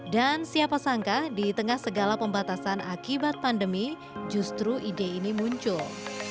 dan siapa sangka di tengah segala pembatasan akibat pandemi justru ide ini muncul